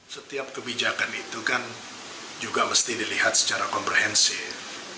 setiap kebijakan itu kan juga mesti dilihat secara komprehensif